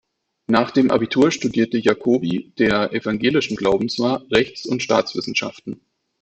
Nach dem Abitur studierte Jacobi, der evangelischen Glaubens war, Rechts- und Staatswissenschaften.